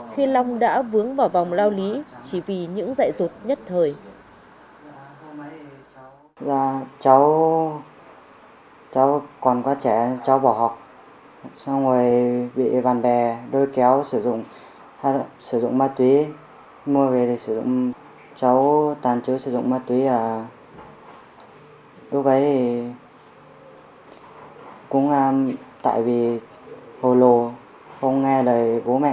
khi long đã vướng vào vòng lao lý chỉ vì những dạy rột nhất thời